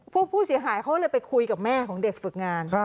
ผู้เสียหายเขาเลยไปคุยกับแม่ของเด็กฝึกงาน